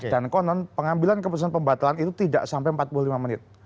dan konon pengambilan keputusan pembatalan itu tidak sampai empat puluh lima menit